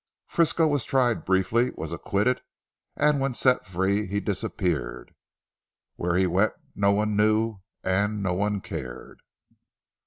Frisco was tried briefly, was acquitted, and when set free he disappeared. Where he went no one knew, and no one cared.